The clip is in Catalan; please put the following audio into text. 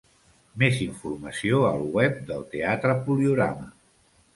Més informació al web del Teatre Poliorama.